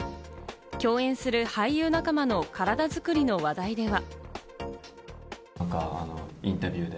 共演する俳優仲間の体作りの話題では。